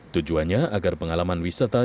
tujuannya agar pengalaman wisata